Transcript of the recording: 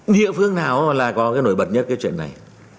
địa phương nào là có cái nổi bật nhất cái chuyện này